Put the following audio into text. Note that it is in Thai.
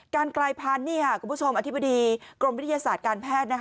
กลายพันธุ์นี่ค่ะคุณผู้ชมอธิบดีกรมวิทยาศาสตร์การแพทย์นะคะ